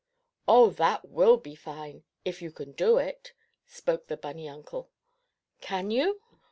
"Oh, that will be fine, if you can do it," spoke the bunny uncle. "Can you?"